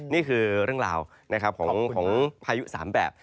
นี่คือเรื่องราวของพายุ๓แบบ